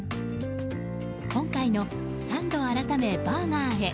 今回の、サンド改めバーガーへ。